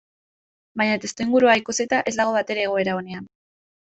Baina testuingurua ikusita ez dago batere egoera onean.